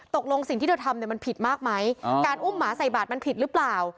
สิ่งที่เธอทำเนี่ยมันผิดมากไหมการอุ้มหมาใส่บาทมันผิดหรือเปล่า